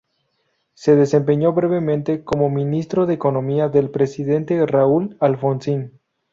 Se desempeñó brevemente como ministro de Economía del presidente Raúl Alfonsín.